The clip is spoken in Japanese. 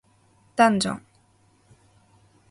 ダンジョン